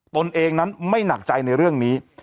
ตนเองนั้นไม่หนักใจในเรื่องนี้